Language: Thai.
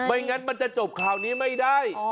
งั้นมันจะจบข่าวนี้ไม่ได้